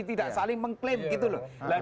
tidak saling mengklaim gitu loh